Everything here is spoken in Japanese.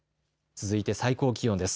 続いて最高気温です。